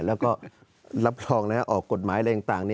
แล้วก็รับรองนะครับออกกฎหมายอะไรอย่างต่าง